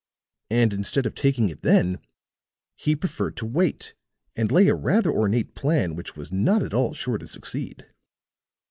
And, instead of taking it then, he preferred to wait and lay a rather ornate plan which was not at all sure to succeed."